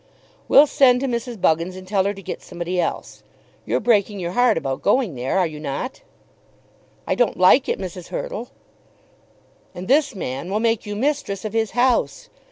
"We'll send to Mrs. Buggins and tell her to get somebody else. You're breaking your heart about going there; are you not?" "I don't like it, Mrs. Hurtle." "And this man will make you mistress of his house.